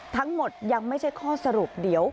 ทั้งหมดยังไม่ใช่ข้อสรุปเดี๋ยว